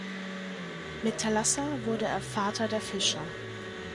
Mit Thalassa wurde er Vater der Fische.